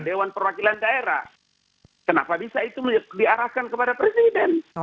dewan perwakilan daerah kenapa bisa itu diarahkan kepada presiden